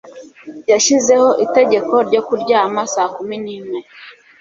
Yashyizeho itegeko ryo kuryama saa kumi n'imwe.